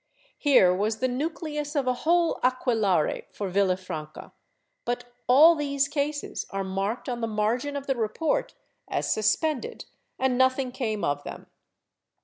Here was the nucleus of a whole aquelarre for Villafranca, but all these cases are marked on the margin of the report as suspended, and nothing came of them.